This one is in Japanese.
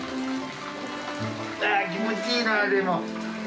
あ、気持ちいいな、でも。